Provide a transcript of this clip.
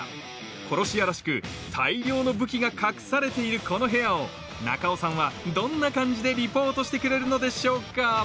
殺し屋らしく大量の武器が隠されているこの部屋を中尾さんはどんな感じでリポートしてくれるのでしょうか？